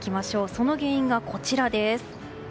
その原因がこちら。